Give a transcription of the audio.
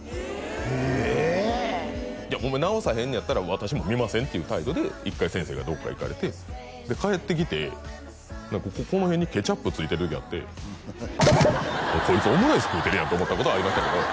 「私も見ません」っていう態度で１回先生がどっか行かれて帰ってきてこの辺にケチャップ付いてる時あってこいつオムライス食うてるやんと思ったことはありましたけど